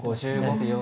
５５秒。